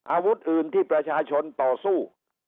อาวุธอื่นที่ประชาชนต่อสู้